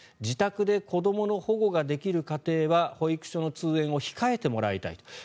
自宅で子どもの保護ができる家庭は保育所の通園を控えてもらいたいと。